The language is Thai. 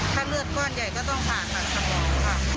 ถ้าเลือดก้อนใหญ่ก็ต้องผ่าตัดสมองค่ะ